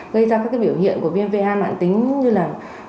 gây ra các biểu hiện của viêm va mạng tính như là